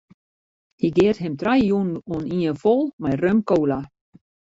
Hy geat him trije jûnen oanien fol mei rum-kola.